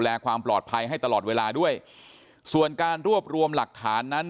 และความปลอดภัยให้ตลอดเวลาด้วยส่วนการรวบรวมหลักฐานนั้น